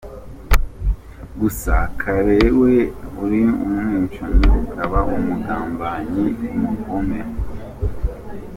Gusa Kale we , uri umwicanyi, ukaba umugambanyi w umugome.